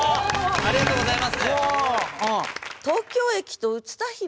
ありがとうございます。